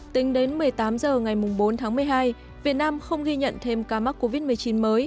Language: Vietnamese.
tính đến một mươi tám h ngày bốn tháng một mươi hai việt nam không ghi nhận thêm ca mắc covid một mươi chín mới